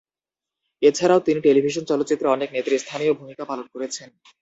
এছাড়াও তিনি টেলিভিশন চলচ্চিত্রে অনেক নেতৃস্থানীয় ভূমিকা পালন করেছেন।